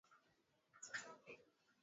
uzalishaji wa viazi lishe